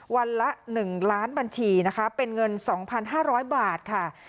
วันละหนึ่งล้านบัญชีนะคะเป็นเงินสองพันห้าร้อยบาทค่ะ